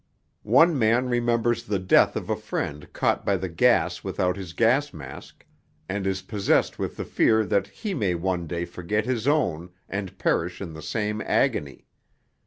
One man remembers the death of a friend caught by the gas without his gas mask, and is possessed with the fear that he may one day forget his own and perish in the same agony.